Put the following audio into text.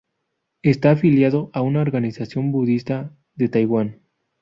Está afiliado a una organización budista de Taiwán.